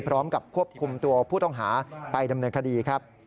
พร้อมกับควบคุมตัวผู้ต้องหาไปดำเนินคดีครับ